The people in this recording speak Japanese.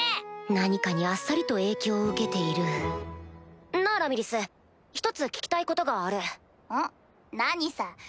何かにあっさりと影響を受けているなぁラミリス１つ聞きたいことがある。